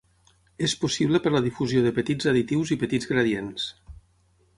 És possible per la difusió de petits additius i petits gradients.